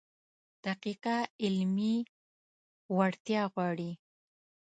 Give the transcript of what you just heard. دقیقه علمي وړتیا غواړي.